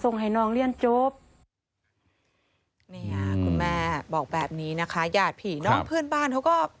แม่บอกแบบนี้นะคะอย่าผิดน้องเพื่อนบ้านเขาก็